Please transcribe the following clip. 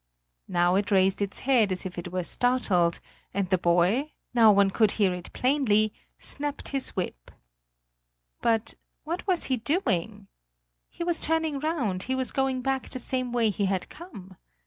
Now it raised its head as if it were startled; and the boy now one could hear it plainly snapped his whip. But what was he doing? He was turning round, he was going back the same way he had come.